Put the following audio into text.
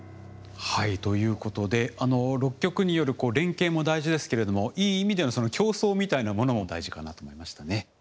ということで６局による連携も大事ですけれどもいい意味での競争みたいなものも大事かなと思いましたね。